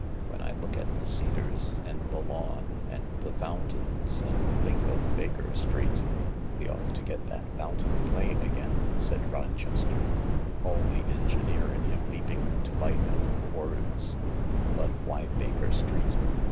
When I look at the cedars and the lawns and the fountains and think of Baker Street " "We ought to get that fountain playing again," said Rochester, all the engineer in him leaping to life at the words ;" but why Baker Street